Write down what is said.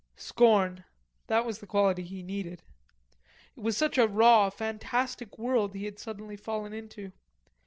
Scorn that was the quality he needed. It was such a raw, fantastic world he had suddenly fallen into.